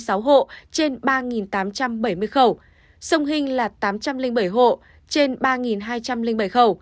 sông hinh là tám trăm linh bảy hộ trên ba hai trăm linh bảy khẩu